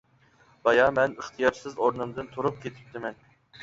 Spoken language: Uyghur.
بايا مەن ئىختىيارسىز ئورنۇمدىن تۇرۇپ كېتىپتىمەن.